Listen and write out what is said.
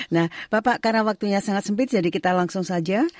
nah bapak karena waktunya sangat sempit jadi kita langsung saja